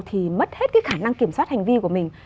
thì mất hết cái khả năng kiểm soát hành vi của mình